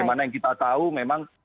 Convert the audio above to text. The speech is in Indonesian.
oke bagaimana yang kita tahu memang